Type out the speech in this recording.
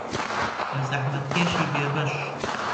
لە زەحمەتکێشی بێبەش